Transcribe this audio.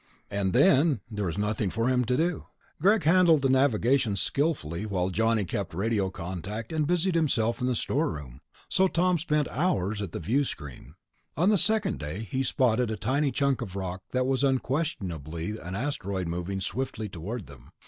And then there was nothing for him to do. Greg handled the navigation skilfully, while Johnny kept radio contact and busied himself in the storeroom, so Tom spent hours at the viewscreen. On the second day he spotted a tiny chunk of rock that was unquestionably an asteroid moving swiftly toward them.